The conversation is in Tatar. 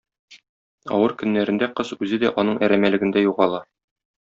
Авыр көннәрендә кыз үзе дә аның әрәмәлегендә югала.